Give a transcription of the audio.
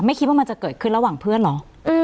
คิดว่ามันจะเกิดขึ้นระหว่างเพื่อนเหรอ